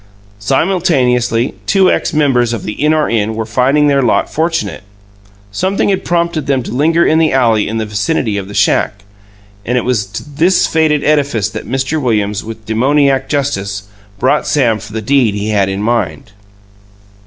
Simultaneously, two ex members of the In Or In were finding their lot fortunate. Something had prompted them to linger in the alley in the vicinity of the shack, and it was to this fated edifice that Mr. Williams, with demoniac justice, brought Sam for the deed he had in mind.